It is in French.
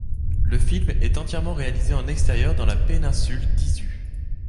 Le film est entièrement réalisé en extérieur dans la péninsule d'Izu.